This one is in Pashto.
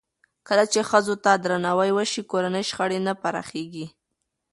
کله چې ښځو ته درناوی وشي، کورني شخړې نه پراخېږي.